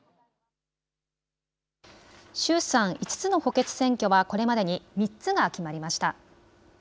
衆参５つの補欠選挙はこれまでに３つが決まりました。